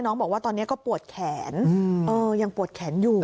บอกว่าตอนนี้ก็ปวดแขนยังปวดแขนอยู่